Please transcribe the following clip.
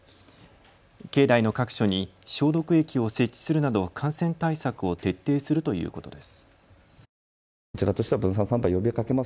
境内の各所に消毒液を設置するなど感染対策を徹底するということです。